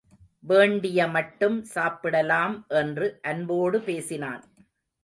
வேண்டிய மட்டும் சாப்பிடலாம் என்று அன்போடு பேசினான்.